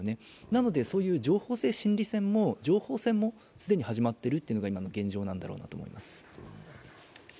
なのでそういう情報性心理戦も情報戦も既に始まっているというのが現状なんだろうと思います。